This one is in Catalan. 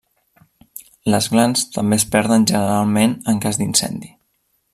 Les glans també es perden generalment en cas d'incendi.